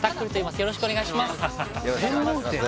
よろしくお願いします専門店？